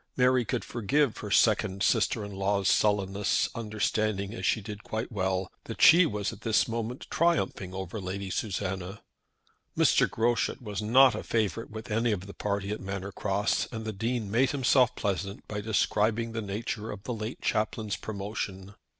Mary could forgive her second sister in law's sullenness, understanding, as she did quite well, that she was at this moment triumphing over Lady Susanna. Mr. Groschut was not a favourite with any of the party at Manor Cross, and the Dean made himself pleasant by describing the nature of the late chaplain's promotion.